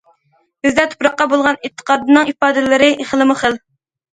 بىزدە تۇپراققا بولغان ئېتىقادنىڭ ئىپادىلىرى خىلمۇ خىل.